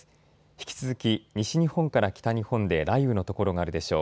引き続き西日本から北日本で雷雨の所があるでしょう。